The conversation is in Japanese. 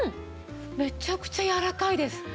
めちゃくちゃやわらかいです。